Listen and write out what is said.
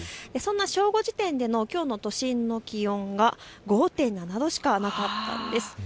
そんな正午時点でのきょうの都心の気温が５．７度しかなかったんです。